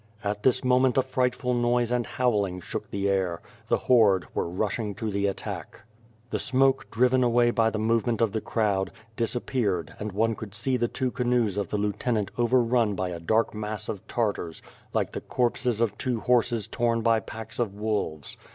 At this moment a frightful noise and howling shook the air. The horde were rushing to the attack. The smoke driven away by the movement of the crowd, disappeared and one could see the two canoes of the lieutenant overrun by a dark mass of Tartars, like the corpses of two horses torn by packs of wolves.